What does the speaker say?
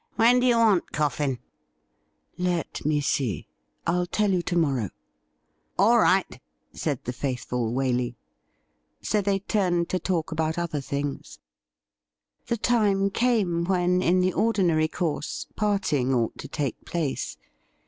When do you want Coffin ?'' Let me see. I'll tell you to morrow.' ' All right,' said the faithful Waley. So they timied to talk about other things. The time came when, in the ordinary course, parting ought to take place.